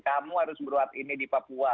kamu harus berat ini di papua